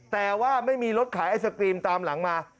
แต่ว่าไม่มีรถขายไอศกรีมตามหลังมา